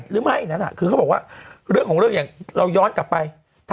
อะไรอีกอย่างเราย้อนกลับไป